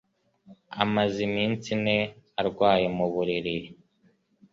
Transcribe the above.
Amaze iminsi ine arwaye mu buriri